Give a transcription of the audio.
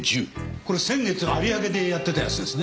これ先月有明でやってたやつですね。